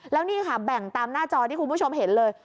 แล้วนี่ค่ะแบ่งตามหน้าจอที่คุณผู้ชมเห็นเลย